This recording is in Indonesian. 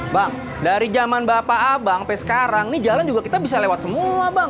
bang dari zaman bapak abang sampai sekarang ini jalan juga kita bisa lewat semua bang